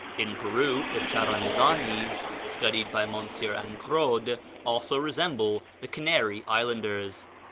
In Peru the Charanzanis, studied by M. Angraud, also resemble the Canary Islanders.